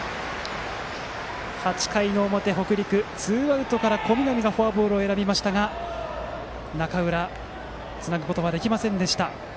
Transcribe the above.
８回の表、北陸ツーアウトから小南がフォアボールを選びましたが中浦つなぐことはできませんでした。